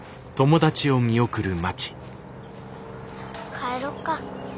帰ろっか。